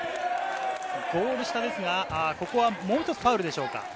ゴール下ですが、ここはもう一つファウルでしょうか？